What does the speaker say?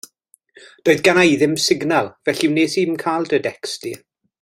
Doedd genna i ddim signal felly wnes i 'im cael dy decst di.